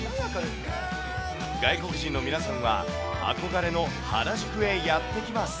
外国人の皆さんは憧れの原宿へやって来ます。